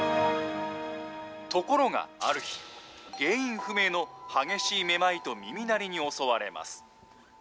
ところがある日、原因不明の激しいめまいと耳鳴りに襲われます。